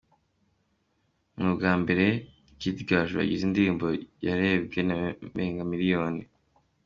Ni ubwa mbere Kid Gaju agize indirimbo yarebewe n’abarenga miliyoni.